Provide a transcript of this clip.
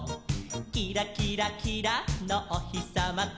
「キラキラキラのおひさまと」